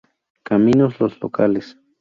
Caminos, los locales.